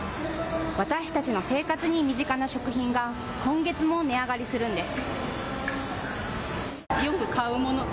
私たちの生活に身近な食品が今月も値上がりするんです。